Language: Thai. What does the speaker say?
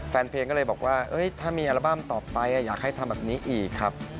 แฟนเพลงก็เลยบอกว่าถ้ามีอัลบั้มต่อไปอยากให้ทำแบบนี้อีกครับ